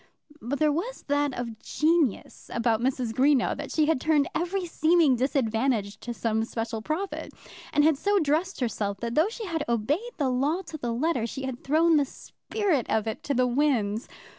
But there was that of genius about Mrs. Greenow, that she had turned every seeming disadvantage to some special profit, and had so dressed herself that though she had obeyed the law to the letter, she had thrown the spirit of it to the winds.